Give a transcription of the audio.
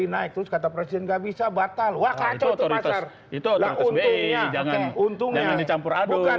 bank bi naik terus kata presiden gak bisa batal wakacau terlalu terhitung untuk mencampur aduh